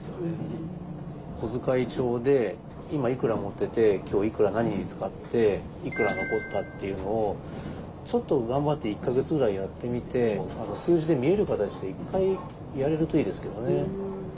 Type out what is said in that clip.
小遣い帳で今いくら持ってて今日いくら何に使っていくら残ったっていうのをちょっと頑張って１か月ぐらいやってみて数字で見える形で一回やれるといいですけどね。